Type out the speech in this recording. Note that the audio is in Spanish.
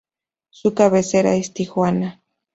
Su cabecera es Tijuana.